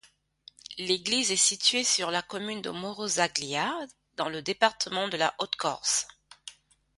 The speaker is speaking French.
L'église est située sur la commune de Morosaglia, dans le département de la Haute-Corse.